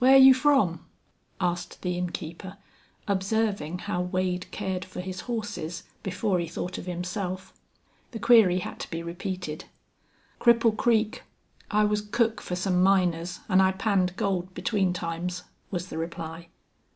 "Whar you from?" asked the innkeeper, observing how Wade cared for his horses before he thought of himself. The query had to be repeated. "Cripple Creek. I was cook for some miners an' I panned gold between times," was the reply.